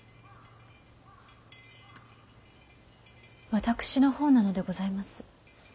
私の方なのでございます。